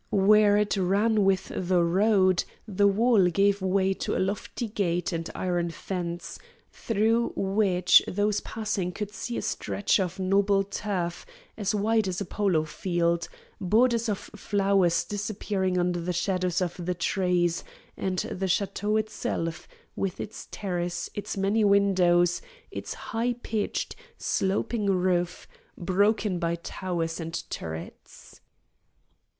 Where it ran with the road the wall gave way to a lofty gate and iron fence, through which those passing could see a stretch of noble turf, as wide as a polo field, borders of flowers disappearing under the shadows of the trees; and the chateau itself, with its terrace, its many windows, its high pitched, sloping roof, broken by towers and turrets.